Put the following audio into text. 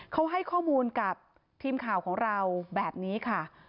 เขาให้ข้อมูลกับทีมข่าวของเราแบบนี้ค่ะ